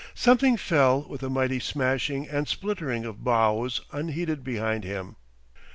Something fell with a mighty smashing and splintering of boughs unheeded behind him.